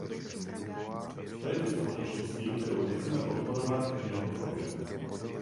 To je typ společnosti, kterou nechceme podporovat a ani nepodporujeme.